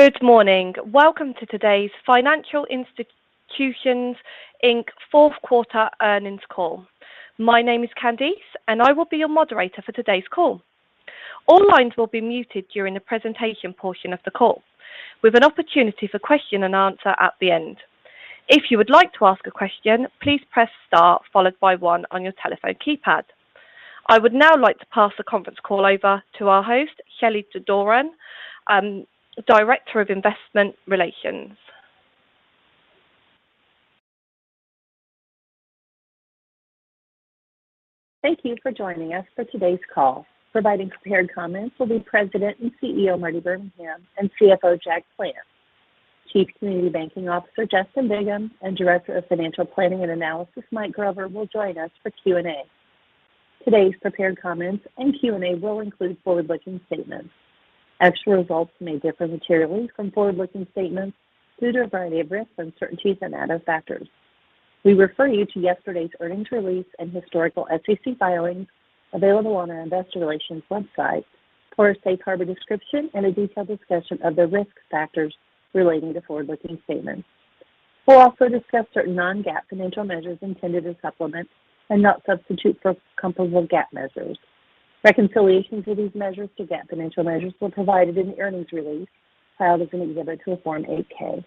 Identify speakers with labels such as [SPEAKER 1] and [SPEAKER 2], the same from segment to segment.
[SPEAKER 1] Good morning. Welcome to today's Financial Institutions, Inc. Q4 earnings call. My name is Candice, and I will be your moderator for today's call. All lines will be muted during the presentation portion of the call, with an opportunity for question and answer at the end. If you would like to ask a question, please press star followed by one on your telephone keypad. I would now like to pass the conference call over to our host, Shelly Doran, Director of Investor Relations.
[SPEAKER 2] Thank you for joining us for today's call. Providing prepared comments will be President and CEO, Marty Birmingham, and CFO, Jack Plants. Chief Community Banking Officer, Justin Bigham, and Director of Financial Planning and Analysis, Mike Grover, will join us for Q&A. Today's prepared comments and Q&A will include forward-looking statements. Actual results may differ materially from forward-looking statements due to a variety of risks, uncertainties, and other factors. We refer you to yesterday's earnings release and historical SEC filings available on our investor relations website for a safe harbor description and a detailed discussion of the risk factors relating to forward-looking statements. We'll also discuss certain non-GAAP financial measures intended to supplement and not substitute for comparable GAAP measures. Reconciliations of these measures to GAAP financial measures were provided in the earnings release filed as an exhibit to a Form 8-K.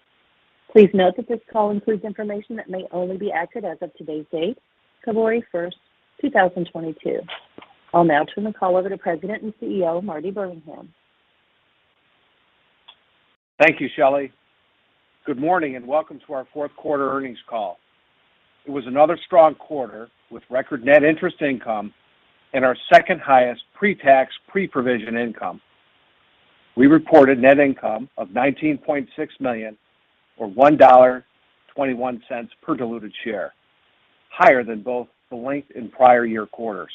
[SPEAKER 2] Please note that this call includes information that may only be accurate as of today's date, February 1st, 2022. I'll now turn the call over to President and CEO, Marty Birmingham.
[SPEAKER 3] Thank you, Shelly. Good morning, and welcome to our Q4 earnings call. It was another strong quarter with record net interest income and our second highest pre-tax, pre-provision income. We reported net income of $19.6 million, or $1.21 per diluted share, higher than both the linked and prior year quarters.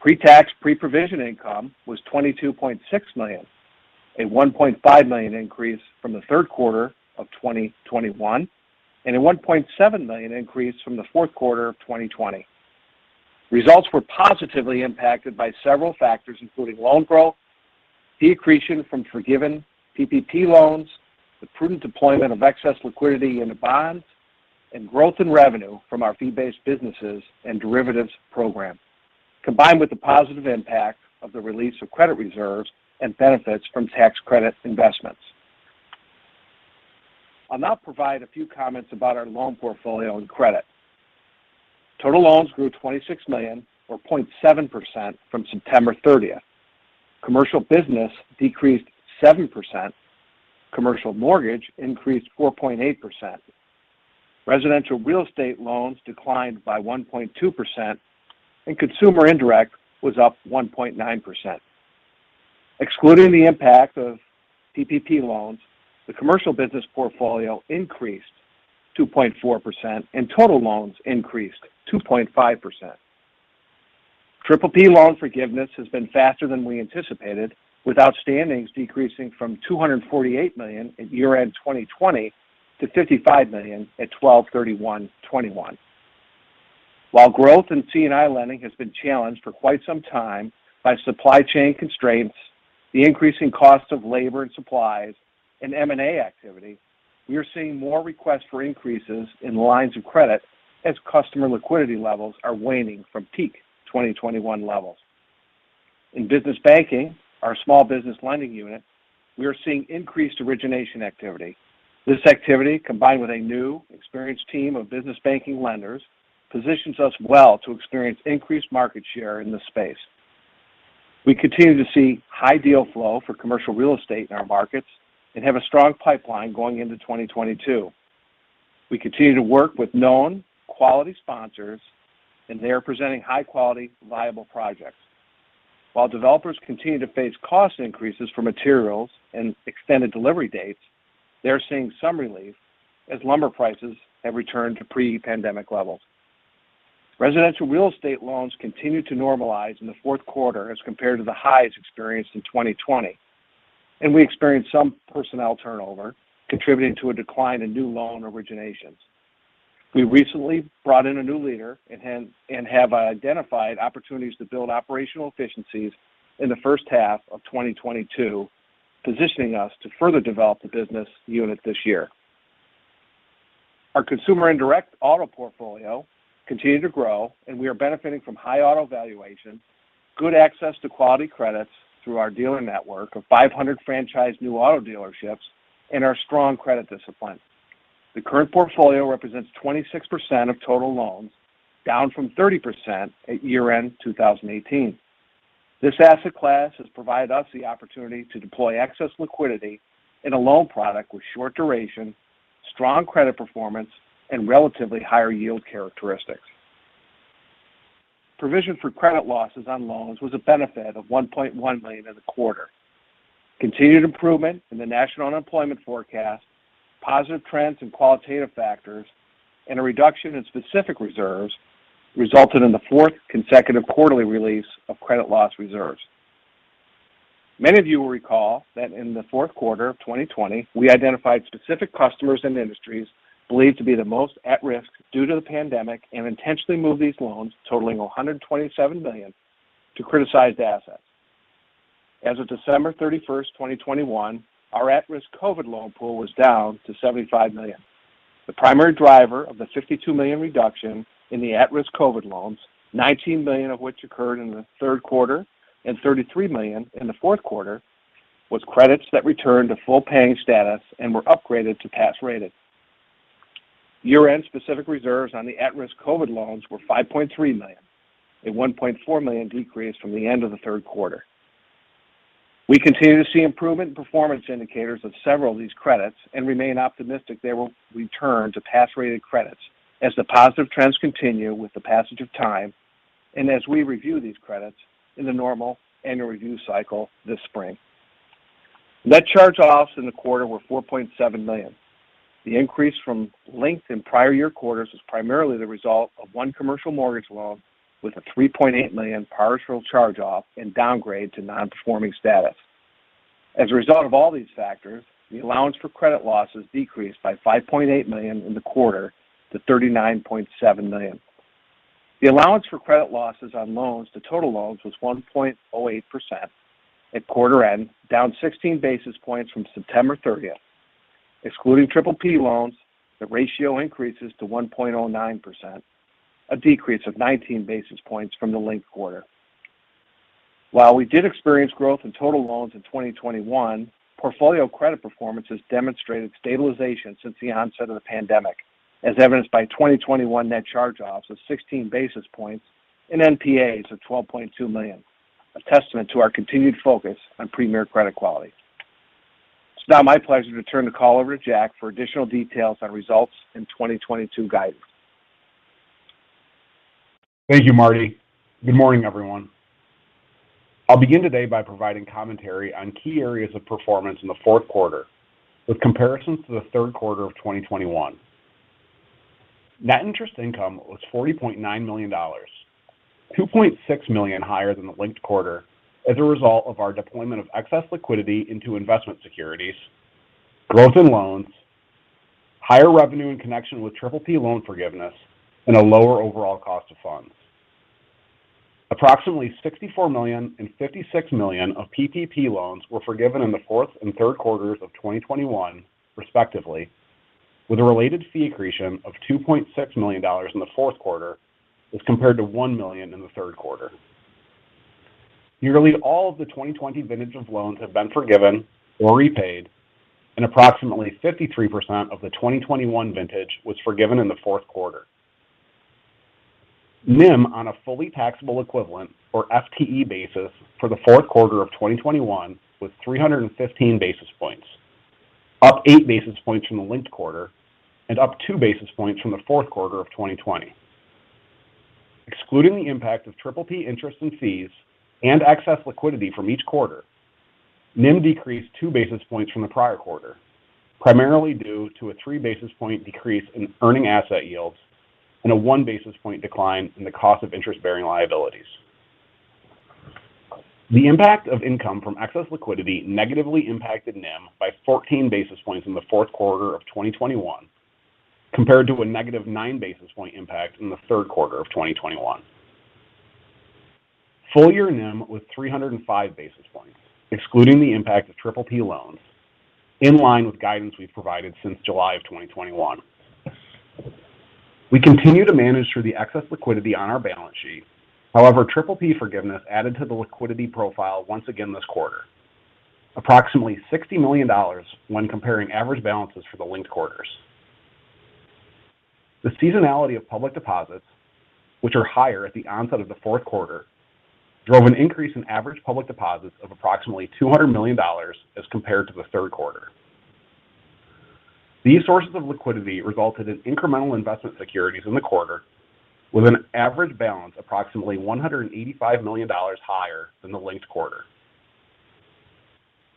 [SPEAKER 3] Pre-tax, pre-provision income was $22.6 million, a $1.5 million increase from the Q3 of 2021, and a $1.7 million increase from the Q4 of 2020. Results were positively impacted by several factors, including loan growth, fee accretion from forgiven PPP loans, the prudent deployment of excess liquidity into bonds, and growth in revenue from our fee-based businesses and derivatives program, combined with the positive impact of the release of credit reserves and benefits from tax credit investments. I'll now provide a few comments about our loan portfolio and credit. Total loans grew $26 million or 0.7% from September 30th. Commercial business decreased 7%. Commercial mortgage increased 4.8%. Residential real estate loans declined by 1.2%, and consumer indirect was up 1.9%. Excluding the impact of PPP loans, the commercial business portfolio increased 2.4%, and total loans increased 2.5%. PPP loan forgiveness has been faster than we anticipated, with outstandings decreasing from $248 million at year-end 2020 to $55 million at 12/31/2021. While growth in C&I lending has been challenged for quite some time by supply chain constraints, the increasing cost of labor and supplies and M&A activity, we are seeing more requests for increases in lines of credit as customer liquidity levels are waning from peak 2021 levels. In business banking, our small business lending unit, we are seeing increased origination activity. This activity, combined with a new experienced team of business banking lenders, positions us well to experience increased market share in this space. We continue to see high deal flow for commercial real estate in our markets and have a strong pipeline going into 2022. We continue to work with known quality sponsors, and they are presenting high quality, viable projects. While developers continue to face cost increases for materials and extended delivery dates, they're seeing some relief as lumber prices have returned to pre-pandemic levels. Residential real estate loans continued to normalize in the Q4 as compared to the highs experienced in 2020, and we experienced some personnel turnover contributing to a decline in new loan originations. We recently brought in a new leader and have identified opportunities to build operational efficiencies in the first half of 2022, positioning us to further develop the business unit this year. Our consumer indirect auto portfolio continued to grow, and we are benefiting from high auto valuations, good access to quality credits through our dealer network of 500 franchised new auto dealerships, and our strong credit discipline. The current portfolio represents 26% of total loans, down from 30% at year-end 2018. This asset class has provided us the opportunity to deploy excess liquidity in a loan product with short duration, strong credit performance, and relatively higher yield characteristics. Provision for credit losses on loans was a benefit of $1.1 million in the quarter. Continued improvement in the national unemployment forecast, positive trends in qualitative factors, and a reduction in specific reserves resulted in the fourth consecutive quarterly release of credit loss reserves. Many of you will recall that in the Q4 of 2020, we identified specific customers and industries believed to be the most at risk due to the pandemic and intentionally moved these loans, totaling $127 million to criticized assets. As of December 31st, 2021, our at-risk COVID loan pool was down to $75 million. The primary driver of the $52 million reduction in the at-risk COVID loans, $19 million of which occurred in the Q3 and $33 million in the Q4, was credits that returned to full paying status and were upgraded to pass rated. Year-end specific reserves on the at-risk COVID loans were $5.3 million, a $1.4 million decrease from the end of the Q3. We continue to see improvement in performance indicators of several of these credits and remain optimistic they will return to pass-rated credits as the positive trends continue with the passage of time and as we review these credits in the normal annual review cycle this spring. Net charge-offs in the quarter were $4.7 million. The increase from length in prior year quarters was primarily the result of one commercial mortgage loan with a $3.8 million partial charge-off and downgrade to non-performing status. As a result of all these factors, the allowance for credit losses decreased by $5.8 million in the quarter to $39.7 million. The allowance for credit losses on loans to total loans was 1.008% at quarter end, down 16 basis points from September 30th. Excluding PPP loans, the ratio increases to 1.009%, a decrease of 19 basis points from the linked quarter. While we did experience growth in total loans in 2021, portfolio credit performance has demonstrated stabilization since the onset of the pandemic, as evidenced by 2021 net charge-offs of 16 basis points and NPAs of $12.2 million, a testament to our continued focus on premier credit quality. It's now my pleasure to turn the call over to Jack for additional details on results in 2022 guidance.
[SPEAKER 4] Thank you, Marty. Good morning, everyone. I'll begin today by providing commentary on key areas of performance in the Q4 with comparisons to the Q3 of 2021. Net interest income was $40.9 million, $2.6 million higher than the linked quarter as a result of our deployment of excess liquidity into investment securities, growth in loans, higher revenue in connection with PPP loan forgiveness, and a lower overall cost of funds. Approximately $64 million and $56 million of PPP loans were forgiven in the Q4 and Q3 of 2021 respectively, with a related fee accretion of $2.6 million in the Q4 as compared to $1 million in the Q3. Nearly all of the 2020 vintage of loans have been forgiven or repaid, and approximately 53% of the 2021 vintage was forgiven in the Q4. NIM on a fully taxable equivalent or FTE basis for the Q4 of 2021 was 315 basis points, up 8 basis points from the linked quarter and up 2 basis points from the Q4 of 2020. Excluding the impact of PPP interest and fees and excess liquidity from each quarter, NIM decreased 2 basis points from the prior quarter, primarily due to a 3 basis points decrease in earning asset yields and a 1 basis point decline in the cost of interest-bearing liabilities. The impact of income from excess liquidity negatively impacted NIM by 14 basis points in the Q4 of 2021 compared to a negative 9 basis point impact in the Q3 of 2021. Full year NIM with 305 basis points, excluding the impact of PPP loans in line with guidance we've provided since July of 2021. We continue to manage through the excess liquidity on our balance sheet. However, PPP forgiveness added to the liquidity profile once again this quarter. Approximately $60 million when comparing average balances for the linked quarters. The seasonality of public deposits, which are higher at the onset of the Q4, drove an increase in average public deposits of approximately $200 million as compared to the Q3. These sources of liquidity resulted in incremental investment securities in the quarter with an average balance approximately $185 million higher than the linked quarter.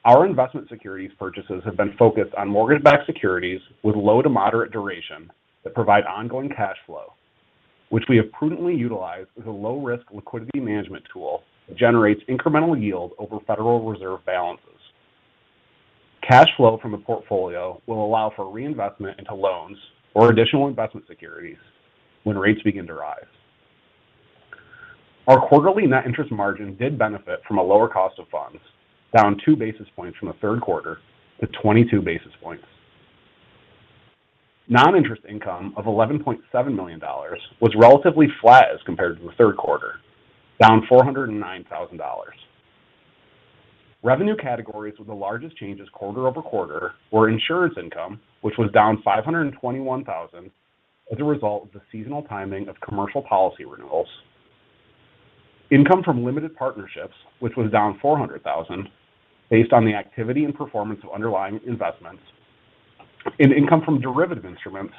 [SPEAKER 4] Our investment securities purchases have been focused on mortgage-backed securities with low to moderate duration that provide ongoing cash flow, which we have prudently utilized as a low risk liquidity management tool that generates incremental yield over Federal Reserve balances. Cash flow from the portfolio will allow for reinvestment into loans or additional investment securities when rates begin to rise. Our quarterly net interest margin did benefit from a lower cost of funds, down 2 basis points from the Q3 to 22 basis points. Non-interest income of $11.7 million was relatively flat as compared to the Q3, down $409,000. Revenue categories with the largest changes quarter-over-quarter were insurance income, which was down $521,000 as a result of the seasonal timing of commercial policy renewals. income from limited partnerships, which was down $400,000 based on the activity and performance of underlying investments, and income from derivative instruments,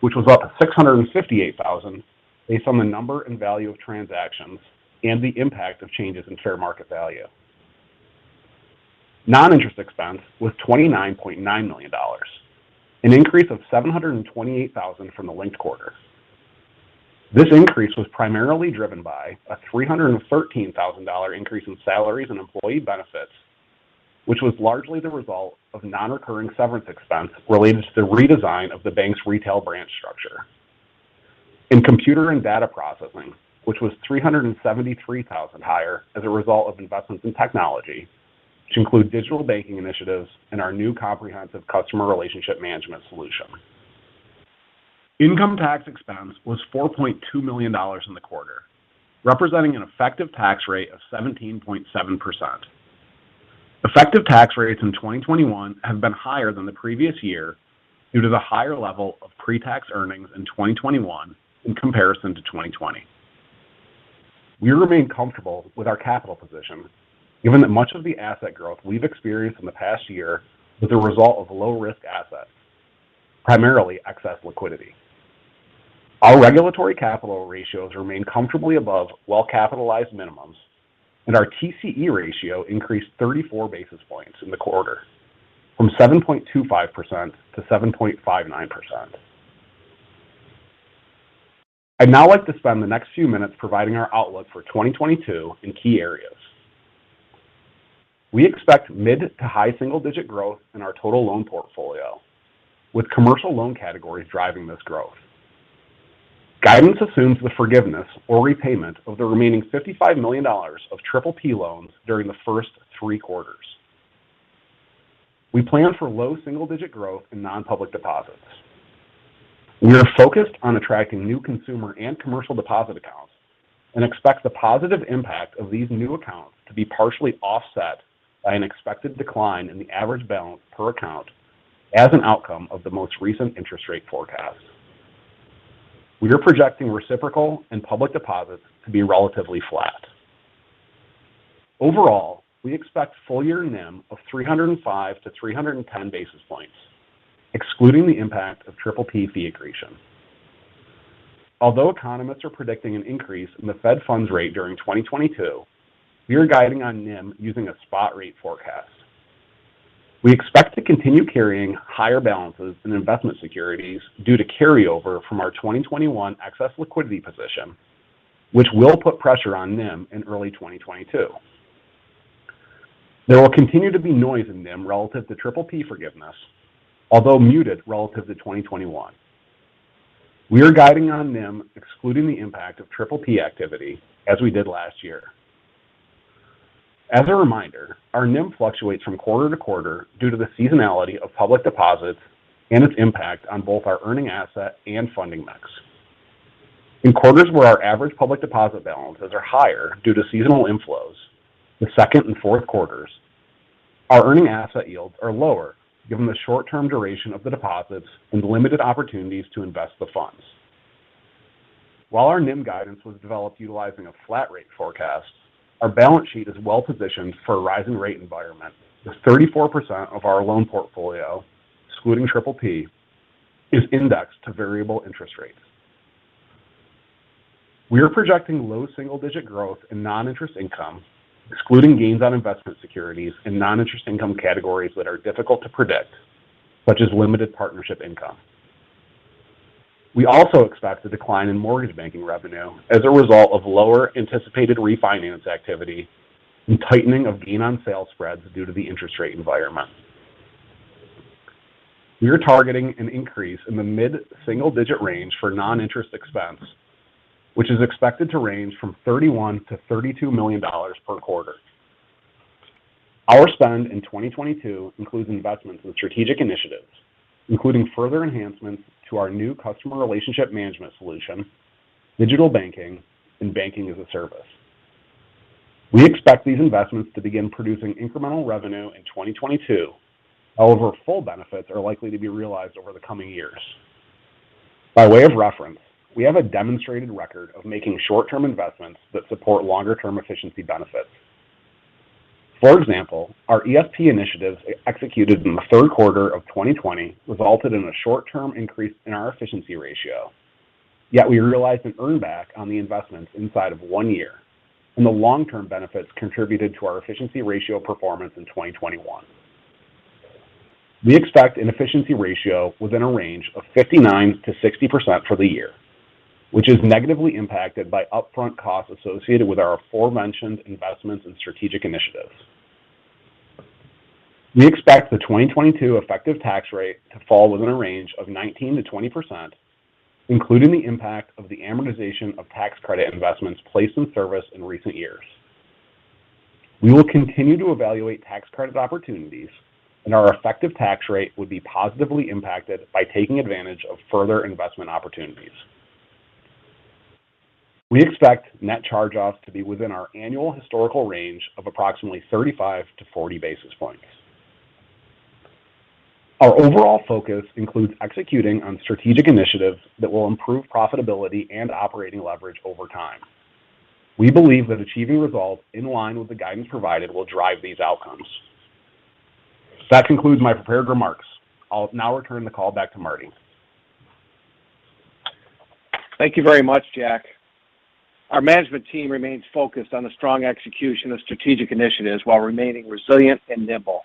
[SPEAKER 4] which was up $658,000 based on the number and value of transactions and the impact of changes in fair market value. Non-interest expense was $29.9 million, an increase of $728,000 from the linked quarter. This increase was primarily driven by a $313,000 increase in salaries and employee benefits, which was largely the result of non-recurring severance expense related to the redesign of the bank's retail branch structure. In computer and data processing, which was $373,000 higher as a result of investments in technology, which include digital banking initiatives and our new comprehensive customer relationship management solution. Income tax expense was $4.2 million in the quarter, representing an effective tax rate of 17.7%. Effective tax rates in 2021 have been higher than the previous year due to the higher level of pre-tax earnings in 2021 in comparison to 2020. We remain comfortable with our capital position given that much of the asset growth we've experienced in the past year was a result of low-risk assets, primarily excess liquidity. Our regulatory capital ratios remain comfortably above well-capitalized minimums, and our TCE ratio increased 34 basis points in the quarter from 7.25% to 7.59%. I'd now like to spend the next few minutes providing our outlook for 2022 in key areas. We expect mid- to high single-digit growth in our total loan portfolio, with commercial loan categories driving this growth. Guidance assumes the forgiveness or repayment of the remaining $55 million of PPP loans during the first three quarters. We plan for low single-digit growth in non-public deposits. We are focused on attracting new consumer and commercial deposit accounts and expect the positive impact of these new accounts to be partially offset by an expected decline in the average balance per account as an outcome of the most recent interest rate forecast. We are projecting reciprocal and public deposits to be relatively flat. Overall, we expect full year NIM of 305-310 basis points, excluding the impact of PPP fee accretion. Although economists are predicting an increase in the Fed funds rate during 2022, we are guiding on NIM using a spot rate forecast. We expect to continue carrying higher balances in investment securities due to carryover from our 2021 excess liquidity position, which will put pressure on NIM in early 2022. There will continue to be noise in NIM relative to PPP forgiveness, although muted relative to 2021. We are guiding on NIM excluding the impact of PPP activity as we did last year. As a reminder, our NIM fluctuates from quarter to quarter due to the seasonality of public deposits and its impact on both our earning asset and funding mix. In quarters where our average public deposit balances are higher due to seasonal inflows, the second and Q4s, our earning asset yields are lower given the short-term duration of the deposits and the limited opportunities to invest the funds. While our NIM guidance was developed utilizing a flat rate forecast, our balance sheet is well-positioned for a rising rate environment, with 34% of our loan portfolio, excluding PPP, is indexed to variable interest rates. We are projecting low single-digit growth in non-interest income, excluding gains on investment securities and non-interest income categories that are difficult to predict, such as limited partnership income. We also expect a decline in mortgage banking revenue as a result of lower anticipated refinance activity and tightening of gain-on-sale spreads due to the interest rate environment. We are targeting an increase in the mid-single-digit range for non-interest expense, which is expected to range from $31 million-$32 million per quarter. Our spend in 2022 includes investments in strategic initiatives, including further enhancements to our new customer relationship management solution, digital banking, and banking-as-a-service. We expect these investments to begin producing incremental revenue in 2022. However, full benefits are likely to be realized over the coming years. By way of reference, we have a demonstrated record of making short-term investments that support longer-term efficiency benefits. For example, our ESP initiatives executed in the Q3 of 2020 resulted in a short-term increase in our efficiency ratio, yet we realized an earn back on the investments inside of one year, and the long-term benefits contributed to our efficiency ratio performance in 2021. We expect an efficiency ratio within a range of 59%-60% for the year, which is negatively impacted by upfront costs associated with our aforementioned investments and strategic initiatives. We expect the 2022 effective tax rate to fall within a range of 19%-20%, including the impact of the amortization of tax credit investments placed in service in recent years. We will continue to evaluate tax credit opportunities, and our effective tax rate would be positively impacted by taking advantage of further investment opportunities. We expect Net Charge-Offs to be within our annual historical range of approximately 35-40 basis points. Our overall focus includes executing on strategic initiatives that will improve profitability and operating leverage over time. We believe that achieving results in line with the guidance provided will drive these outcomes. That concludes my prepared remarks. I'll now return the call back to Marty.
[SPEAKER 3] Thank you very much, Jack. Our management team remains focused on the strong execution of strategic initiatives while remaining resilient and nimble.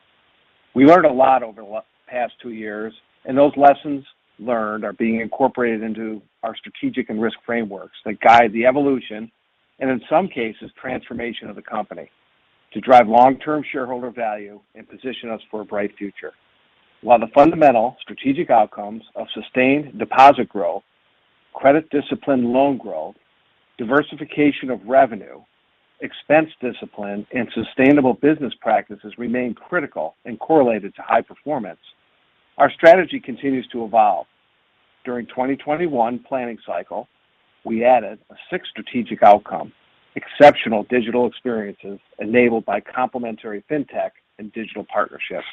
[SPEAKER 3] We learned a lot over the past two years, and those lessons learned are being incorporated into our strategic and risk frameworks that guide the evolution and, in some cases, transformation of the company to drive long-term shareholder value and position us for a bright future. While the fundamental strategic outcomes of sustained deposit growth, credit discipline loan growth, diversification of revenue, expense discipline, and sustainable business practices remain critical and correlated to high performance, our strategy continues to evolve. During 2021 planning cycle, we added a sixth strategic outcome, exceptional digital experiences enabled by complementary fintech and digital partnerships.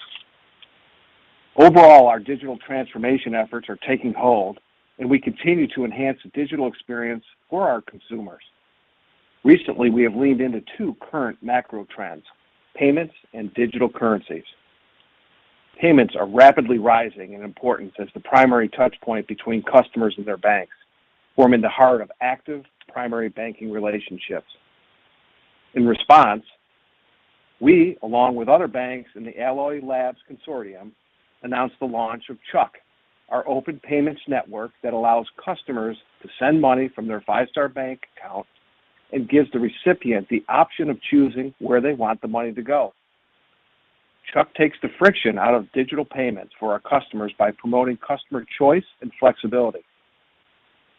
[SPEAKER 3] Overall, our digital transformation efforts are taking hold, and we continue to enhance the digital experience for our consumers. Recently, we have leaned into two current macro trends, payments and digital currencies. Payments are rapidly rising in importance as the primary touch point between customers and their banks, forming the heart of active primary banking relationships. In response, we, along with other banks in the Alloy Labs Alliance, announced the launch of CHUCK, our open payments network that allows customers to send money from their Five Star Bank account and gives the recipient the option of choosing where they want the money to go. CHUCK takes the friction out of digital payments for our customers by promoting customer choice and flexibility.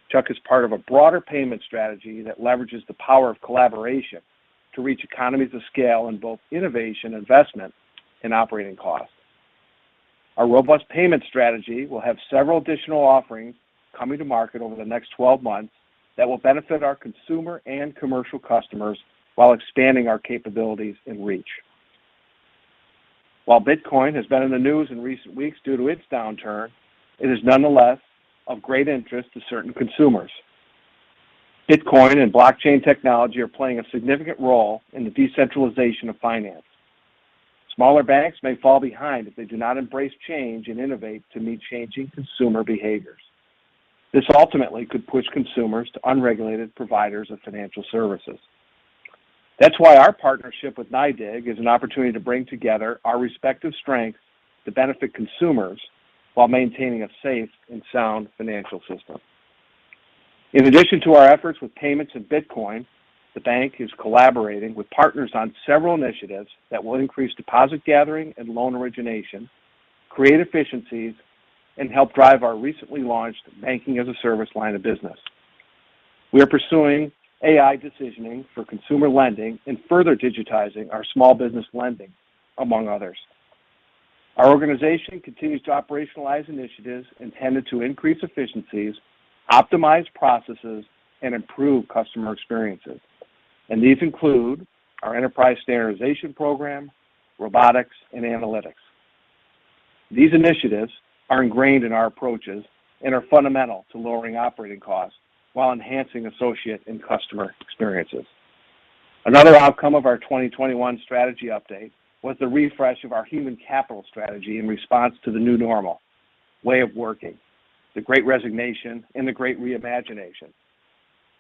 [SPEAKER 3] CHUCK is part of a broader payment strategy that leverages the power of collaboration to reach economies of scale in both innovation investment and operating costs. Our robust payment strategy will have several additional offerings coming to market over the next 12 months that will benefit our consumer and commercial customers while expanding our capabilities and reach. While Bitcoin has been in the news in recent weeks due to its downturn, it is nonetheless of great interest to certain consumers. Bitcoin and blockchain technology are playing a significant role in the decentralization of finance. Smaller banks may fall behind if they do not embrace change and innovate to meet changing consumer behaviors. This ultimately could push consumers to unregulated providers of financial services. That's why our partnership with NYDIG is an opportunity to bring together our respective strengths to benefit consumers while maintaining a safe and sound financial system. In addition to our efforts with payments and Bitcoin, the bank is collaborating with partners on several initiatives that will increase deposit gathering and loan origination, create efficiencies, and help drive our recently launched banking-as-a-service line of business. We are pursuing AI decisioning for consumer lending and further digitizing our small business lending, among others. Our organization continues to operationalize initiatives intended to increase efficiencies, optimize processes, and improve customer experiences, and these include our enterprise standardization program, robotics, and analytics. These initiatives are ingrained in our approaches and are fundamental to lowering operating costs while enhancing associate and customer experiences. Another outcome of our 2021 strategy update was the refresh of our human capital strategy in response to the new normal way of working, the great resignation, and the great reimagination.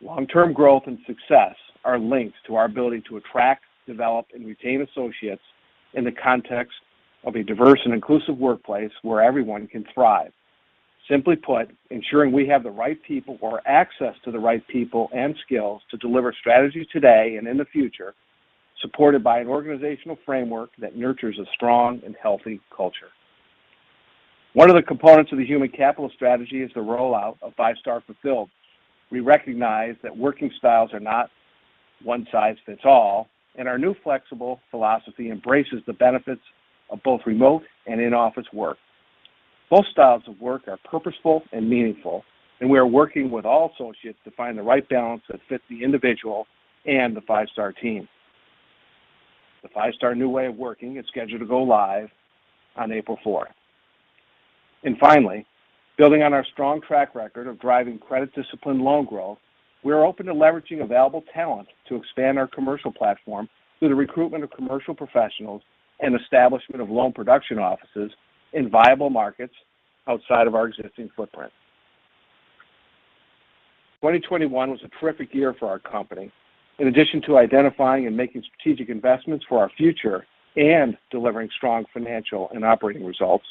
[SPEAKER 3] Long-term growth and success are linked to our ability to attract, develop, and retain associates in the context of a diverse and inclusive workplace where everyone can thrive. Simply put, ensuring we have the right people or access to the right people and skills to deliver strategies today and in the future, supported by an organizational framework that nurtures a strong and healthy culture. One of the components of the human capital strategy is the rollout of Five Star Fulfilled. We recognize that working styles are not one size fits all, and our new flexible philosophy embraces the benefits of both remote and in-office work. Both styles of work are purposeful and meaningful, and we are working with all associates to find the right balance that fits the individual and the Five Star team. The Five Star new way of working is scheduled to go live on April 4th. Finally, building on our strong track record of driving credit discipline loan growth, we are open to leveraging available talent to expand our commercial platform through the recruitment of commercial professionals and establishment of loan production offices in viable markets outside of our existing footprint. 2021 was a terrific year for our company. In addition to identifying and making strategic investments for our future and delivering strong financial and operating results,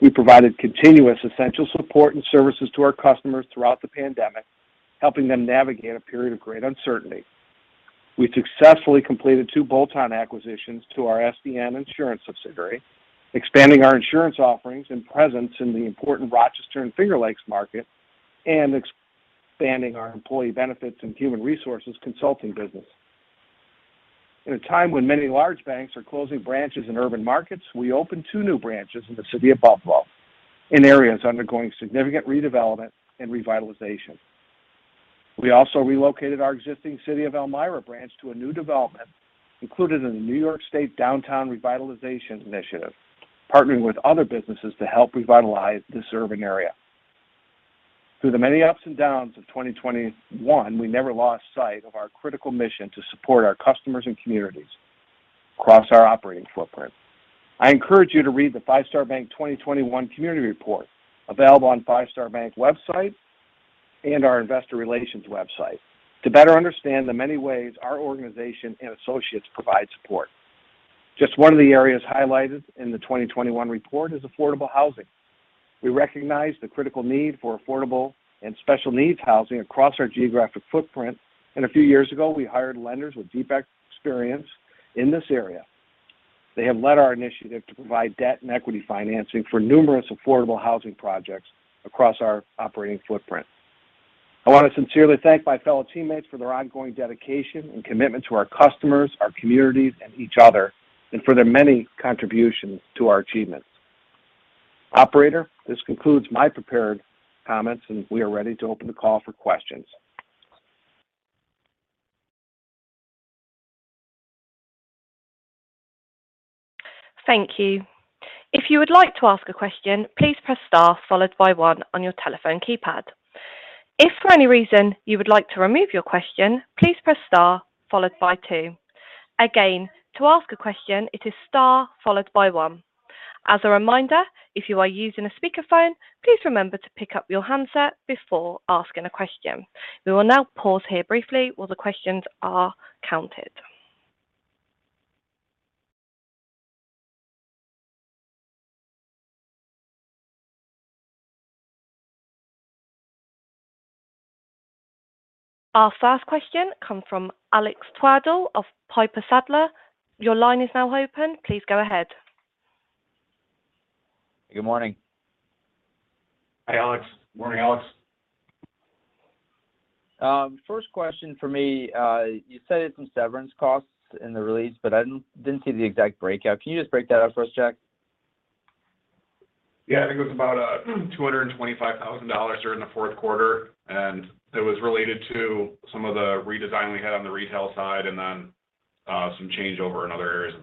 [SPEAKER 3] we provided continuous essential support and services to our customers throughout the pandemic, helping them navigate a period of great uncertainty. We successfully completed two bolt-on acquisitions to our SDN Insurance subsidiary, expanding our insurance offerings and presence in the important Rochester and Finger Lakes market and expanding our employee benefits and human resources consulting business. In a time when many large banks are closing branches in urban markets, we opened two new branches in the city of Buffalo in areas undergoing significant redevelopment and revitalization. We also relocated our existing City of Elmira branch to a new development included in the New York State Downtown Revitalization Initiative, partnering with other businesses to help revitalize the serving area. Through the many ups and downs of 2021, we never lost sight of our critical mission to support our customers and communities across our operating footprint. I encourage you to read the Five Star Bank 2021 community report available on Five Star Bank website and our investor relations website to better understand the many ways our organization and associates provide support. Just one of the areas highlighted in the 2021 report is affordable housing. We recognize the critical need for affordable and special needs housing across our geographic footprint. A few years ago, we hired lenders with deep experience in this area. They have led our initiative to provide debt and equity financing for numerous affordable housing projects across our operating footprint. I want to sincerely thank my fellow teammates for their ongoing dedication and commitment to our customers, our communities, and each other, and for their many contributions to our achievements. Operator, this concludes my prepared comments, and we are ready to open the call for questions.
[SPEAKER 1] Thank you. If you would like to ask a question, please press star followed by one on your telephone keypad. If for any reason you would like to remove your question, please press star followed by two. Again, to ask a question, it is star followed by one. As a reminder, if you are using a speakerphone, please remember to pick up your handset before asking a question. We will now pause here briefly while the questions are counted. Our first question comes from Alex Twerdahl of Piper Sandler. Your line is now open. Please go ahead.
[SPEAKER 5] Good morning.
[SPEAKER 3] Hi, Alex.
[SPEAKER 4] Morning, Alex.
[SPEAKER 5] First question for me, you cited some severance costs in the release, but I didn't see the exact breakout. Can you just break that out for us, Jack?
[SPEAKER 4] Yeah. I think it was about $225,000 during the Q4, and it was related to some of the redesign we had on the retail side and then some changeover in other areas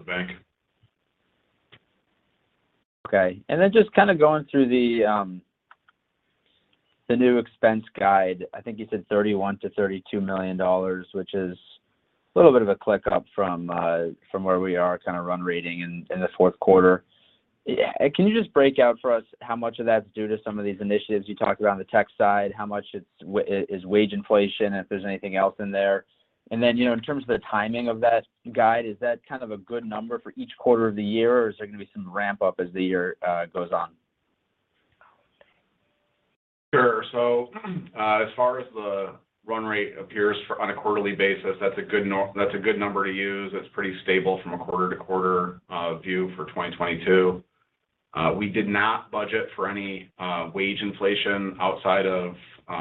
[SPEAKER 4] of the bank.
[SPEAKER 5] Okay. Then just kind of going through the new expense guide. I think you said $31 million-$32 million, which is a little bit of a tick up from where we are kind of run rate in the Q4. Can you just break out for us how much of that's due to some of these initiatives you talked about on the tech side? How much is wage inflation and if there's anything else in there? Then, you know, in terms of the timing of that guide, is that kind of a good number for each quarter of the year, or is there gonna be some ramp up as the year goes on?
[SPEAKER 4] Sure. As far as the run rate appears for on a quarterly basis, that's a good number to use. That's pretty stable from a quarter-to-quarter view for 2022. We did not budget for any wage inflation outside of you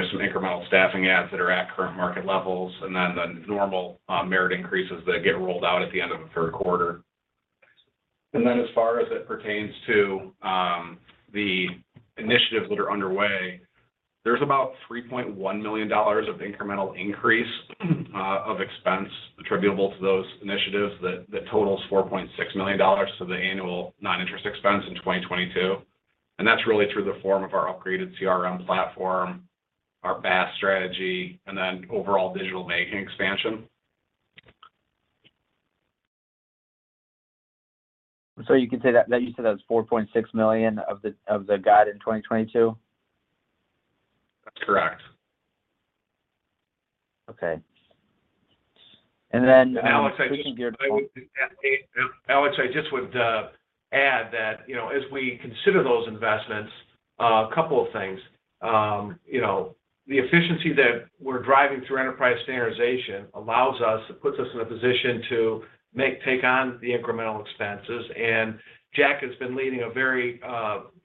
[SPEAKER 4] know some incremental staffing adds that are at current market levels and then the normal merit increases that get rolled out at the end of a Q3. As far as it pertains to the initiatives that are underway, there's about $3.1 million of incremental increase of expense attributable to those initiatives that totals $4.6 million to the annual net interest expense in 2022. That's really through the form of our upgraded CRM platform, our BaaS strategy, and then overall digital banking expansion.
[SPEAKER 5] You can say that you said that was $4.6 million of the guide in 2022?
[SPEAKER 4] That's correct.
[SPEAKER 5] Okay.
[SPEAKER 3] Alex, I just-
[SPEAKER 5] speaking to your point.
[SPEAKER 3] Alex, I just would add that, you know, as we consider those investments, a couple of things. You know, the efficiency that we're driving through enterprise standardization allows us. It puts us in a position to take on the incremental expenses. Jack has been leading a very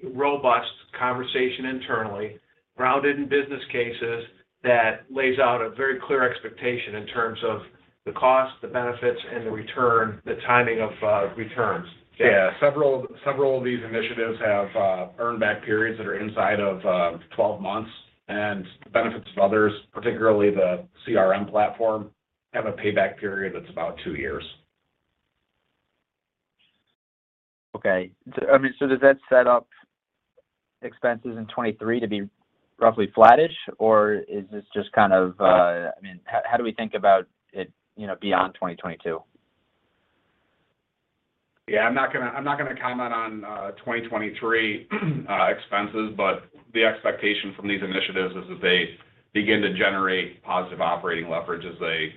[SPEAKER 3] robust conversation internally, grounded in business cases that lays out a very clear expectation in terms of the cost, the benefits, and the return, the timing of returns.
[SPEAKER 4] Yeah. Several of these initiatives have payback periods that are inside of 12 months. The benefits of others, particularly the CRM platform, have a payback period that's about 2 years.
[SPEAKER 5] I mean, does that set up expenses in 2023 to be roughly flattish, or is this just kind of, I mean, how do we think about it, you know, beyond 2022?
[SPEAKER 4] Yeah. I'm not gonna comment on 2023 expenses, but the expectation from these initiatives is that they begin to generate positive operating leverage as they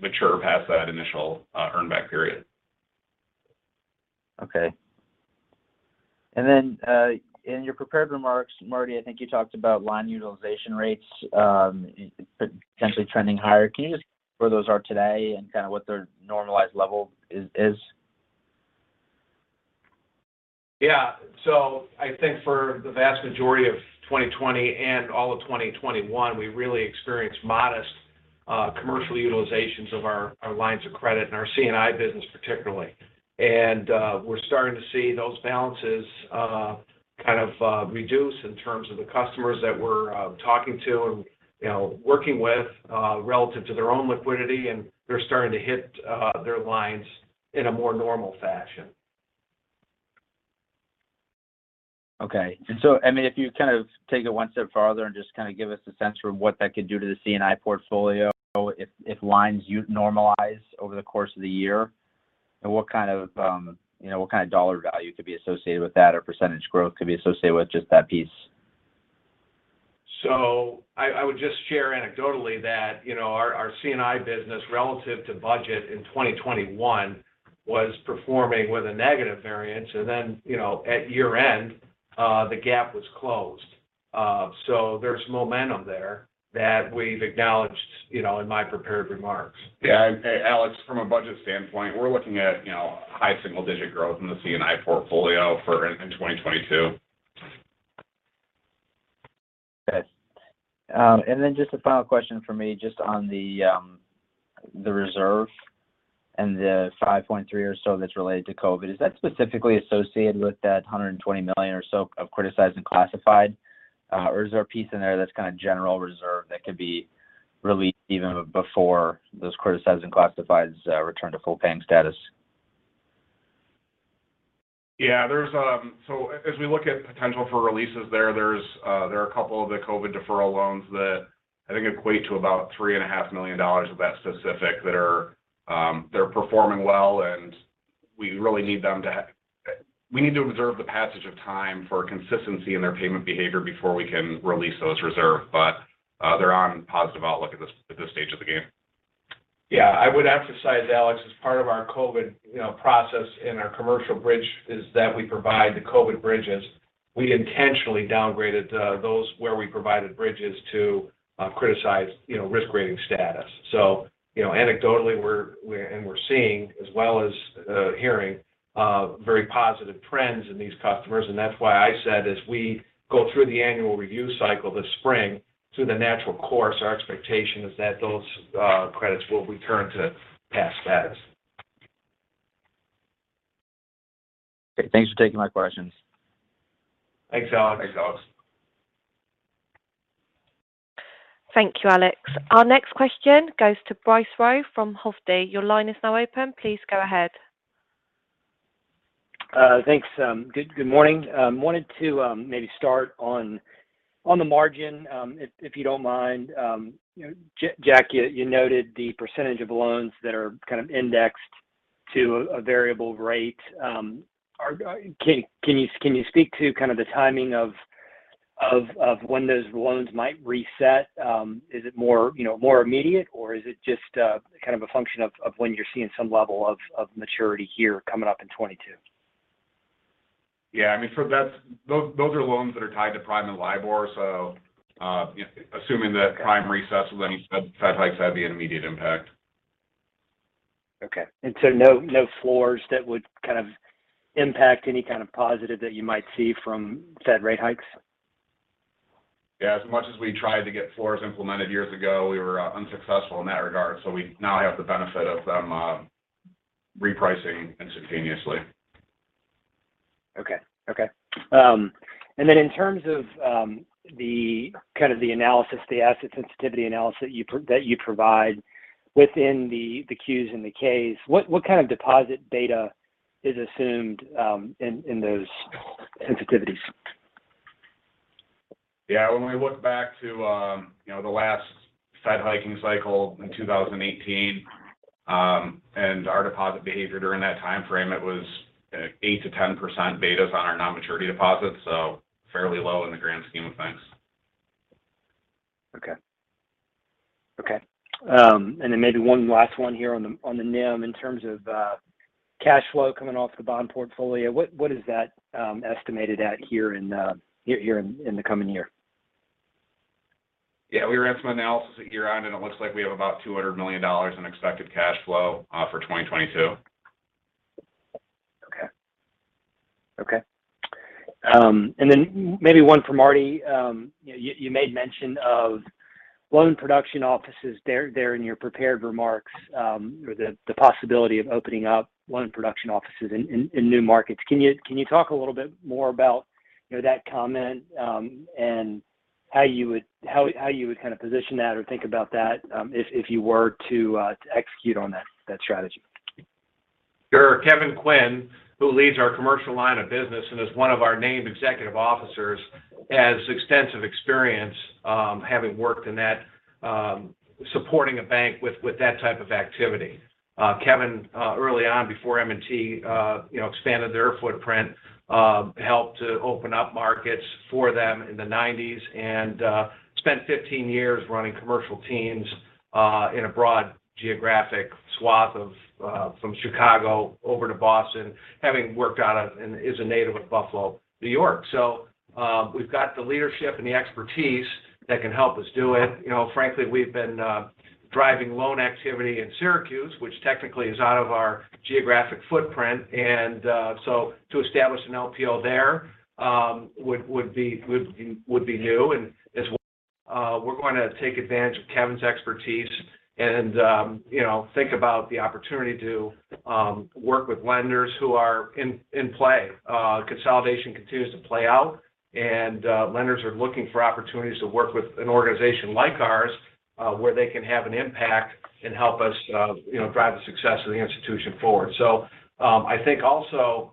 [SPEAKER 4] mature past that initial earn back period.
[SPEAKER 5] Okay. In your prepared remarks, Marty, I think you talked about line utilization rates, potentially trending higher. Can you just where those are today and kind of what their normalized level is?
[SPEAKER 3] Yeah. I think for the vast majority of 2020 and all of 2021, we really experienced modest commercial utilizations of our lines of credit and our C&I business particularly. We're starting to see those balances kind of reduce in terms of the customers that we're talking to and, you know, working with relative to their own liquidity, and they're starting to hit their lines in a more normal fashion.
[SPEAKER 5] Okay. I mean, if you kind of take it one step farther and just kind of give us a sense for what that could do to the C&I portfolio if line utilization normalizes over the course of the year. What kind of, you know, dollar value could be associated with that or percentage growth could be associated with just that piece?
[SPEAKER 3] I would just share anecdotally that, you know, our C&I business relative to budget in 2021 was performing with a negative variance. You know, at year-end, the gap was closed. There's momentum there that we've acknowledged, you know, in my prepared remarks.
[SPEAKER 4] Yeah. Alex, from a budget standpoint, we're looking at, you know, high single-digit growth in the C&I portfolio for in 2022.
[SPEAKER 5] Okay. Just a final question from me just on the reserve and the $5.3 million or so that's related to COVID. Is that specifically associated with that $120 million or so of criticized and classified? Is there a piece in there that's kind of general reserve that could be released even before those criticized and classified return to full paying status?
[SPEAKER 4] Yeah. There's as we look at potential for releases there are a couple of the COVID deferral loans that I think equate to about $3.5 million of that specific that are, they're performing well, and we really need them to observe the passage of time for consistency in their payment behavior before we can release those reserve. They're on positive outlook at this stage of the game.
[SPEAKER 3] Yeah. I would emphasize, Alex, as part of our COVID, you know, process in our commercial bridge is that we provide the COVID bridges. We intentionally downgraded those where we provided bridges to criticized, you know, risk rating status. You know, anecdotally, we're seeing as well as hearing very positive trends in these customers. That's why I said as we go through the annual review cycle this spring, through the natural course, our expectation is that those credits will return to past status.
[SPEAKER 5] Okay. Thanks for taking my questions.
[SPEAKER 3] Thanks, Alex.
[SPEAKER 4] Thanks, Alex.
[SPEAKER 1] Thank you, Alex. Our next question goes to Bryce Rowe from Hovde. Your line is now open. Please go ahead.
[SPEAKER 6] Thanks. Good morning. Wanted to maybe start on the margin, if you don't mind. You know, Jack, you noted the percentage of loans that are kind of indexed to a variable rate. Can you speak to kind of the timing of when those loans might reset? Is it more, you know, more immediate or is it just kind of a function of when you're seeing some level of maturity here coming up in 2022?
[SPEAKER 4] Yeah. I mean, for that, those are loans that are tied to prime and LIBOR. You know, assuming that prime resets with any Fed funds rate hikes have the immediate impact.
[SPEAKER 6] Okay. No, no floors that would kind of impact any kind of positive that you might see from Fed rate hikes?
[SPEAKER 4] Yeah, as much as we tried to get floors implemented years ago, we were unsuccessful in that regard. We now have the benefit of them, repricing instantaneously.
[SPEAKER 6] Okay. In terms of the kind of analysis, the asset sensitivity analysis that you provide within the Qs and the Ks, what kind of deposit data is assumed in those sensitivities?
[SPEAKER 4] Yeah. When we look back to you know the last Fed hiking cycle in 2018 and our deposit behavior during that time frame, it was you know 8%-10% betas on our non-maturity deposits, so fairly low in the grand scheme of things.
[SPEAKER 6] Okay, maybe one last one here on the NIM in terms of cash flow coming off the bond portfolio. What is that estimated at here in the coming year?
[SPEAKER 4] Yeah, we ran some analysis year-on-year, and it looks like we have about $200 million in expected cash flow for 2022.
[SPEAKER 6] Okay. Maybe one for Marty. You know, you made mention of loan production offices there in your prepared remarks, or the possibility of opening up loan production offices in new markets. Can you talk a little bit more about, you know, that comment, and how you would kind of position that or think about that, if you were to execute on that strategy?
[SPEAKER 3] Sure. Kevin Quinn, who leads our commercial line of business and is one of our named executive officers, has extensive experience, having worked in that supporting a bank with that type of activity. Kevin, early on before M&T, you know, expanded their footprint, helped to open up markets for them in the 1990s and spent 15 years running commercial teams in a broad geographic swath of from Chicago over to Boston, having worked out of and is a native of Buffalo, New York. So, we've got the leadership and the expertise that can help us do it. You know, frankly, we've been driving loan activity in Syracuse, which technically is out of our geographic footprint. So to establish an LPO there, would be new. As well, we're going to take advantage of Kevin's expertise and, you know, think about the opportunity to work with lenders who are in play. Consolidation continues to play out and lenders are looking for opportunities to work with an organization like ours, where they can have an impact and help us, you know, drive the success of the institution forward. I think also,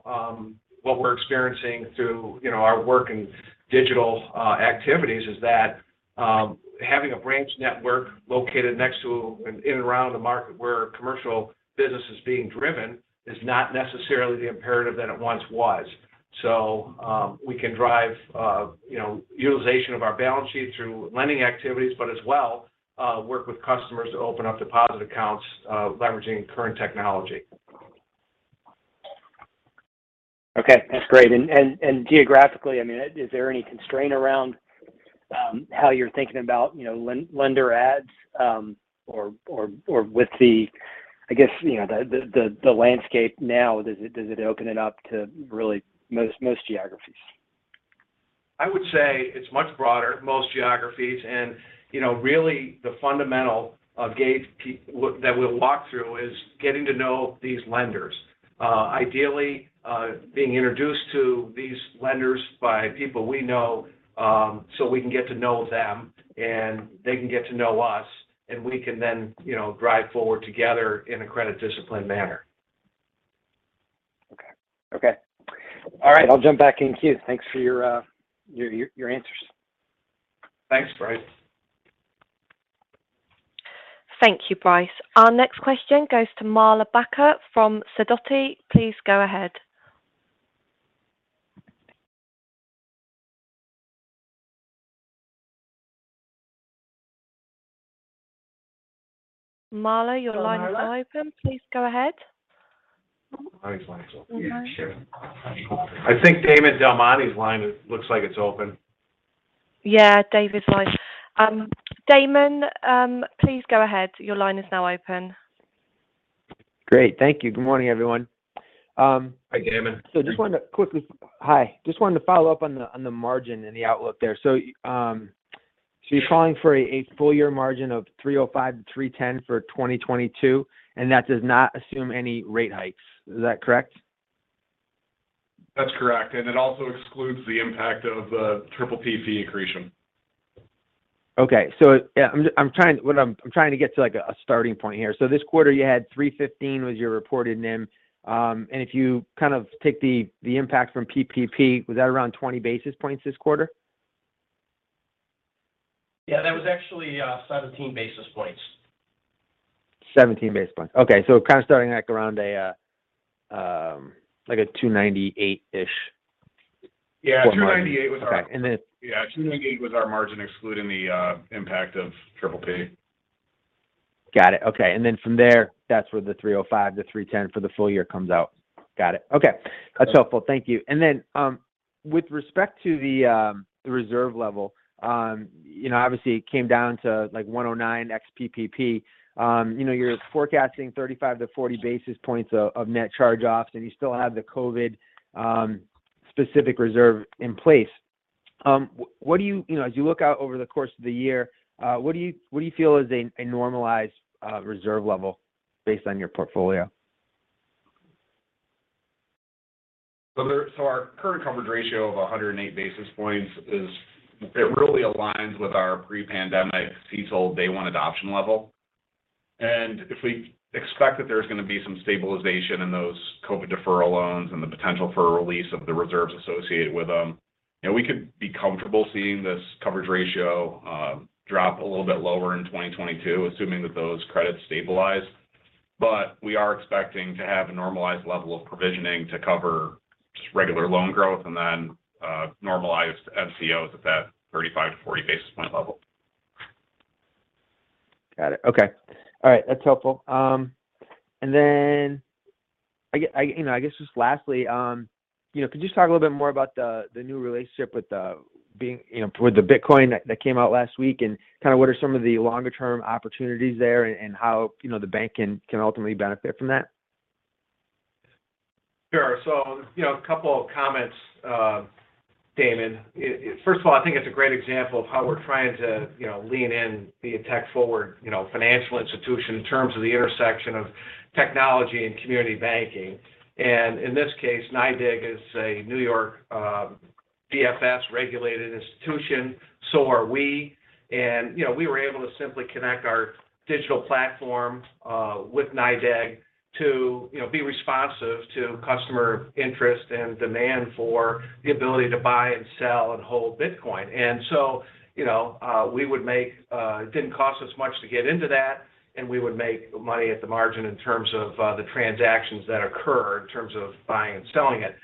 [SPEAKER 3] what we're experiencing through, you know, our work in digital activities is that having a branch network located next to and in and around the market where commercial business is being driven is not necessarily the imperative that it once was. We can drive, you know, utilization of our balance sheet through lending activities, but as well, work with customers to open up deposit accounts, leveraging current technology.
[SPEAKER 6] Okay. That's great. Geographically, I mean, is there any constraint around how you're thinking about, you know, lend, lender ads, or with the, I guess, you know, the landscape now, does it open it up to really most geographies?
[SPEAKER 3] I would say it's much broader, most geographies. You know, really, the fundamental that we'll walk through is getting to know these lenders. Ideally, being introduced to these lenders by people we know, so we can get to know them, and they can get to know us, and we can then, you know, drive forward together in a credit discipline manner.
[SPEAKER 6] Okay. All right. I'll jump back in queue. Thanks for your answers.
[SPEAKER 3] Thanks, Bryce.
[SPEAKER 1] Thank you, Bryce. Our next question goes to Marla Backer from Sidoti. Please go ahead. Marla, your line is now open. Please go ahead.
[SPEAKER 3] Marla's line is open.
[SPEAKER 1] Yeah. Sure.
[SPEAKER 3] I think Damon DelMonte's line, it looks like it's open.
[SPEAKER 1] Yeah. David's line. Damon, please go ahead. Your line is now open.
[SPEAKER 7] Great. Thank you. Good morning, everyone.
[SPEAKER 3] Hi, Damon.
[SPEAKER 7] Just wanted to follow up on the margin and the outlook there. You're calling for a full year margin of 3.05%-3.10% for 2022, and that does not assume any rate hikes. Is that correct?
[SPEAKER 3] That's correct. It also excludes the impact of PPP accretion.
[SPEAKER 7] Okay. I'm trying to get to like a starting point here. This quarter you had 315 was your reported NIM. If you kind of take the impact from PPP, was that around 20 basis points this quarter?
[SPEAKER 3] Yeah. That was actually, 17 basis points.
[SPEAKER 7] 17 basis points. Okay. Kind of starting at around a, like a 2.98-ish-
[SPEAKER 3] Yeah. 298 was our-
[SPEAKER 7] Okay.
[SPEAKER 3] 2.98% was our margin excluding the impact of PPP.
[SPEAKER 7] Got it. Okay. From there, that's where the 305-310 for the full year comes out. Got it. Okay.
[SPEAKER 3] Yeah.
[SPEAKER 7] That's helpful. Thank you. With respect to the reserve level, you know, obviously it came down to like 109 ex PPP. You know, you're forecasting 35-40 basis points of net charge-offs, and you still have the COVID specific reserve in place. What do you know, as you look out over the course of the year, what do you feel is a normalized reserve level based on your portfolio?
[SPEAKER 3] Our current coverage ratio of 108 basis points is. It really aligns with our pre-pandemic CECL day one adoption level. If we expect that there's gonna be some stabilization in those COVID deferral loans and the potential for release of the reserves associated with them, you know, we could be comfortable seeing this coverage ratio drop a little bit lower in 2022, assuming that those credits stabilize. We are expecting to have a normalized level of provisioning to cover just regular loan growth and then normalized NCOs at that 35-40 basis point level.
[SPEAKER 7] Got it. Okay. All right. That's helpful. I, you know, I guess just lastly, you know, could you just talk a little bit more about the new relationship with NYDIG, you know, with the Bitcoin that came out last week and kind of what are some of the longer term opportunities there and how, you know, the bank can ultimately benefit from that?
[SPEAKER 3] Sure. You know, a couple of comments, Damon. It first of all, I think it's a great example of how we're trying to, you know, lean in, be a tech forward, you know, financial institution in terms of the intersection of technology and community banking. In this case, NYDIG is a New York, DFS regulated institution, so are we. You know, we were able to simply connect our digital platform, with NYDIG to, you know, be responsive to customer interest and demand for the ability to buy and sell and hold Bitcoin. You know, we would make, it didn't cost us much to get into that, and we would make money at the margin in terms of, the transactions that occur in terms of buying and selling it.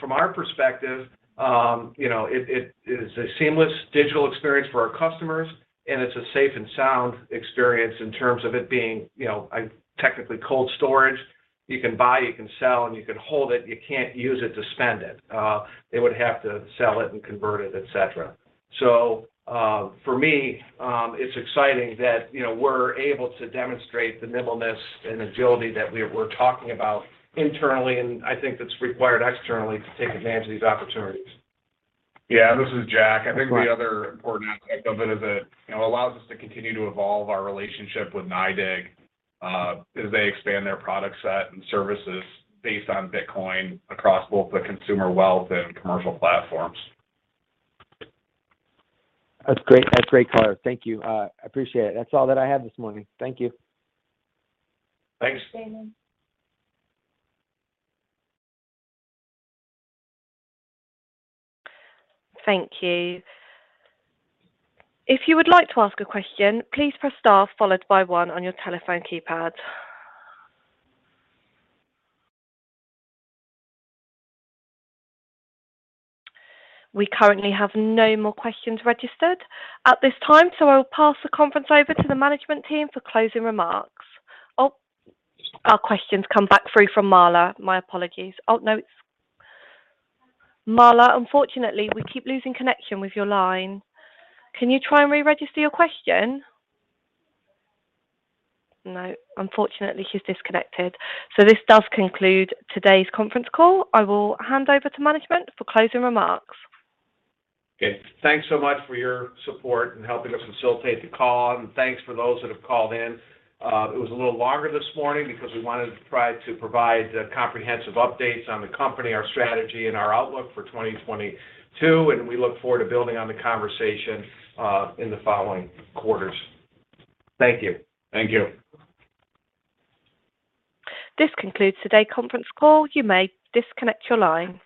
[SPEAKER 3] From our perspective, you know, it is a seamless digital experience for our customers, and it's a safe and sound experience in terms of it being, you know, a technically cold storage. You can buy, you can sell, and you can hold it, you can't use it to spend it. They would have to sell it and convert it, et cetera. For me, it's exciting that, you know, we're able to demonstrate the nimbleness and agility that we're talking about internally, and I think that's required externally to take advantage of these opportunities.
[SPEAKER 4] Yeah. This is Jack. I think the other important aspect of it is, you know, it allows us to continue to evolve our relationship with NYDIG as they expand their product set and services based on Bitcoin across both the consumer wealth and commercial platforms.
[SPEAKER 7] That's great. That's great color. Thank you. I appreciate it. That's all that I have this morning. Thank you.
[SPEAKER 3] Thanks.
[SPEAKER 1] Thanks, Damon. Thank you. If you would like to ask a question, please press star followed by one on your telephone keypad. We currently have no more questions registered at this time, so I'll pass the conference over to the management team for closing remarks. Oh, our question's come back through from Marla. My apologies. Oh, no. Marla, unfortunately, we keep losing connection with your line. Can you try and re-register your question? No. Unfortunately, she's disconnected. This does conclude today's conference call. I will hand over to management for closing remarks.
[SPEAKER 3] Okay. Thanks so much for your support in helping us facilitate the call, and thanks for those that have called in. It was a little longer this morning because we wanted to try to provide the comprehensive updates on the company, our strategy, and our outlook for 2022, and we look forward to building on the conversation in the following quarters. Thank you. Thank you.
[SPEAKER 1] This concludes today's conference call. You may disconnect your line.